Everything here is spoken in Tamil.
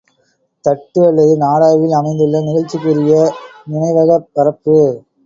தட்டு அல்லது நாடாவில அமைந்துள்ள நிகழ்ச்சிக்குரிய நினைவகப் பரப்பு.